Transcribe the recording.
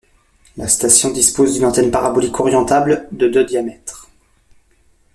La station dispose d'une antenne parabolique orientable de de diamètre.